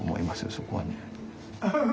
そこはね。